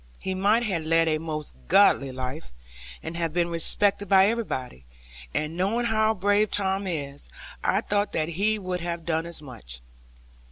He might have led a most godly life, and have been respected by everybody; and knowing how brave Tom is, I thought that he would have done as much.